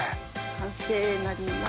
完成になります。